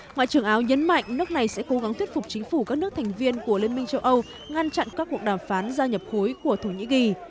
ngoại trưởng áo nhấn mạnh nước này sẽ cố gắng thuyết phục chính phủ các nước thành viên của liên minh châu âu ngăn chặn các cuộc đàm phán gia nhập khối của thổ nhĩ kỳ